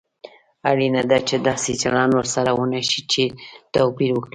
اړینه ده چې داسې چلند ورسره ونشي چې توپير وکړي.